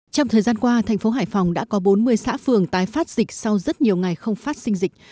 trong thời gian qua thành phố hải phòng đã có bốn mươi xã phường tái phát dịch sau rất nhiều ngày không phát sinh dịch